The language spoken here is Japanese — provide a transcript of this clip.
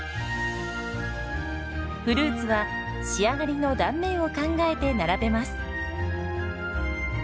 フルーツは仕上がりの断面を考えて並べます。